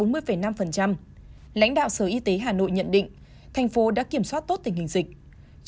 lãnh đạo sở y tế hà nội nhận định thành phố đã kiểm soát tốt tình hình dịch